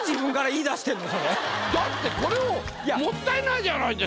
ええ？だってこれをもったいないじゃないですか。